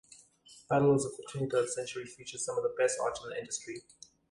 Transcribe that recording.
Battlelords of the Twenty-Third Century features some of the best art in the industry.